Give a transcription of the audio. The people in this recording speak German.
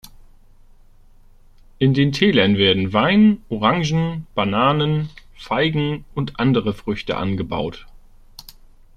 In den Tälern werden Wein, Orangen, Bananen, Feigen und andere Früchte angebaut.